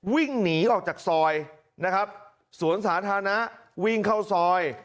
วิ่งหนีออกจากซอยนะครับสวนสาธารณะวิ่งเข้าซอย